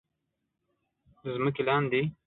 د ځمکې لاندې